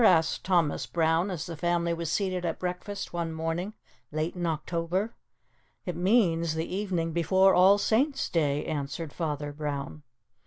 asked Thomas Brown as the family was seated at breakfast one morning late in October. "It means the evening before All Saints Day," answered Father Brown.